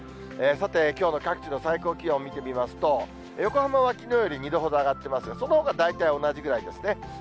さて、きょうの各地の最高気温見てみますと、横浜はきのうより２度ほど上がってますが、そのほか、大体同じぐらいですね。